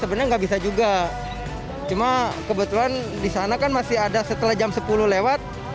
sebenarnya nggak bisa juga cuma kebetulan di sana kan masih ada setelah jam sepuluh lewat